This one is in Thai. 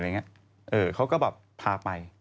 เขาก็แบบพาไป